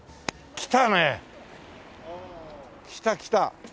来た来た。